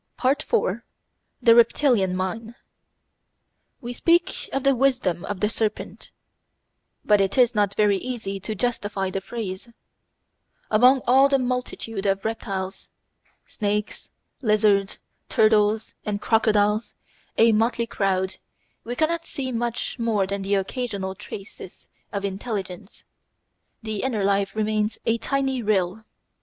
§ 4 The Reptilian Mind We speak of the wisdom of the serpent; but it is not very easy to justify the phrase. Among all the multitude of reptiles snakes, lizards, turtles, and crocodiles, a motley crowd we cannot see much more than occasional traces of intelligence. The inner life remains a tiny rill.